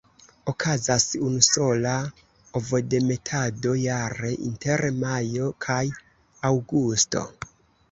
Okazas unusola ovodemetado jare, inter majo kaj aŭgusto.